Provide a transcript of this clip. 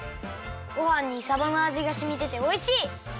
ごはんにさばのあじがしみてておいしい！